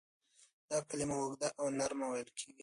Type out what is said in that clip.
دا کلمه اوږده او نرمه ویل کیږي.